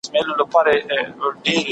د ګډو ارزښتونو سپکاوی مه کوه.